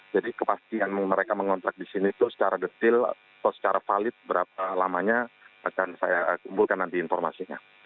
jadi kepastian mereka mengontrak di sini itu secara detail atau secara valid berapa lamanya akan saya kumpulkan nanti informasinya